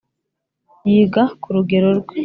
yiga ku rugero rwe